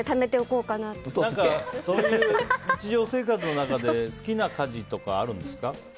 そういう日常生活の中で好きな家事とかあるんですか？